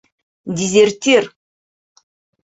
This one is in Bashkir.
Дезертир!